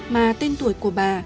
mà tên tuổi của bà